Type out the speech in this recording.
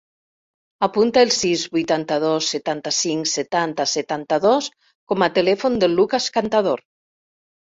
Apunta el sis, vuitanta-dos, setanta-cinc, setanta, setanta-dos com a telèfon del Lukas Cantador.